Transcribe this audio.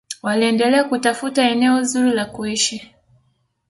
waliendelea kutafuta eneo zuri la kuishi